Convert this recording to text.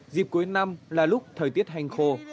dịp cuối năm là lúc thời tiết hành khô